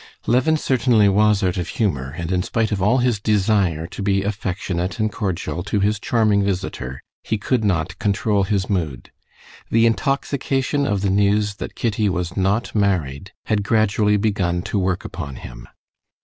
Levin certainly was out of humor, and in spite of all his desire to be affectionate and cordial to his charming visitor, he could not control his mood. The intoxication of the news that Kitty was not married had gradually begun to work upon him.